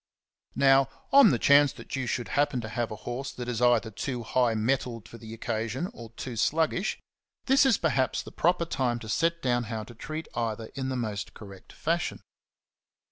Now, on the chance that you should happen to have a horse that is either too high mettled for the occasion or too sluggish, this is perhaps the 52 XENOPHON ON HORSEMANSHIP. proper time to set down how to treat either one in the most correct fashion.